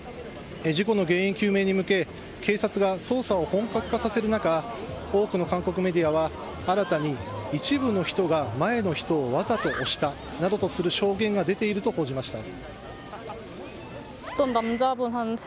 事故の原因究明に向け、警察が捜査を本格化させる中、多くの韓国メディアは、新たに一部の人が前の人をわざと押したなどとする証言が出ていると報じました。